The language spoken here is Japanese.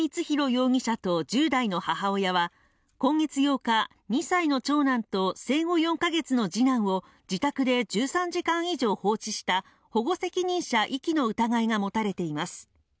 容疑者と１０代の母親は今月８日２歳の長男と生後４か月の次男を自宅で１３時間以上放置した保護責任者遺棄の疑いが持たれています